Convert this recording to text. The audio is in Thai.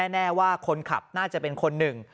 แน่ว่าคนขับน่าจะเป็นคนหนึ่ง